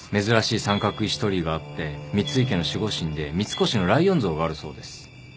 珍しい三角石鳥居があって三井家の守護神で三越のライオン像があるそうです。